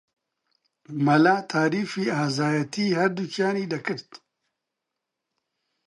مەلا تاریفی ئازایەتیی هەردووکیانی دەکرد